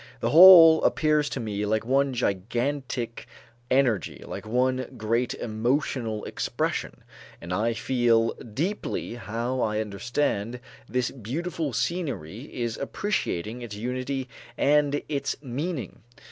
The whole appears to me like one gigantic energy, like one great emotional expression, and I feel deeply how I understand this beautiful scenery in appreciating its unity and its meaning.